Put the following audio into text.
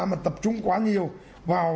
mà tập trung quá nhiều vào